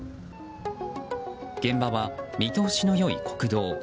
現場は見通しの良い国道。